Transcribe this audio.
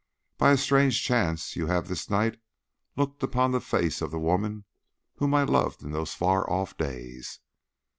By a strange chance you have this night looked upon the face of the woman whom I loved in those far off days.